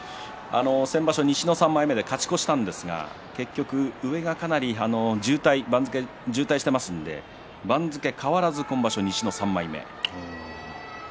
先場所、西の３枚目で勝ち越したんですが結局はかなり番付渋滞してますので番付変わらず今場所、西の３枚目。